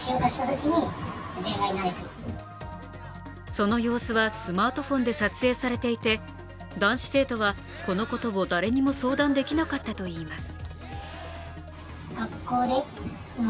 その様子はスマートフォンで撮影されていて男子生徒はこのことを誰にも相談できなかったといいます。